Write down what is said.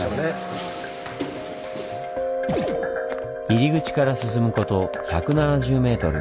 入り口から進むこと１７０メートル。